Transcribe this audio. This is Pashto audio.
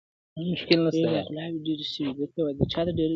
څپلۍ د اوسپني په پښو کړو پېشوا ولټوو!.